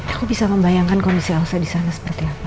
aku bisa membayangkan kondisi elsa disana seperti apa